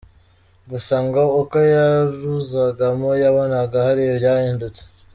Gusa ngo uko yaruzagamo yabonaga hari ibyahindutse.